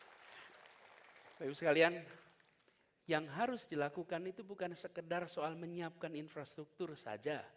bapak ibu sekalian yang harus dilakukan itu bukan sekedar soal menyiapkan infrastruktur saja